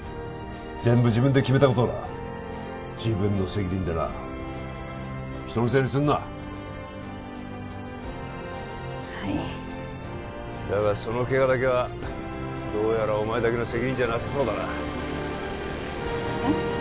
全部自分で決めたことだ自分の責任でな人のせいにすんなはいだがそのケガだけはどうやらお前だけの責任じゃなさそうだなえっ？